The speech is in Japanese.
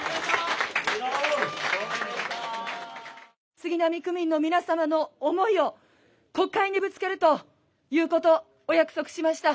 杉並区民の皆様の思いを国会にぶつけるということ、お約束しました。